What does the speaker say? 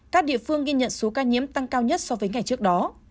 các địa phương ghi nhận số ca nhiễm tăng cao nhất so với ngày trước đó